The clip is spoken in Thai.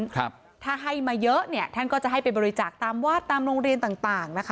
ครับถ้าให้มาเยอะเนี่ยท่านก็จะให้ไปบริจาคตามวาดตามโรงเรียนต่างต่างนะคะ